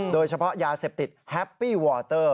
โดยเฉพาะยาเสพติดแฮปปี้วอเตอร์